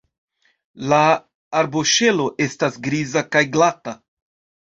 La arboŝelo estas griza kaj glata.